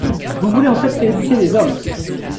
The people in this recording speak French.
Vous voulez en fait rééduquer les hommes.